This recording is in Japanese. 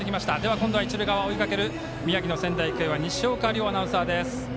今度は一塁側追いかける宮城の仙台育英は西岡遼アナウンサー。